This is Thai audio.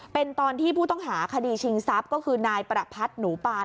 เป็นตอนที่ผู้ต้องหาคดีชิงทรัพย์ก็คือนายประพัทธ์หนูปาน